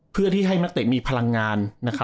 เพื่อที่ให้นักเตะมีพลังงาน